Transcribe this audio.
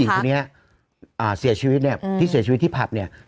คนนี้เสียชีวิตเนี่ยที่เสียชีวิตที่ผับเนี่ย